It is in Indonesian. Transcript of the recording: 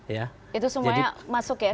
itu semuanya masuk ya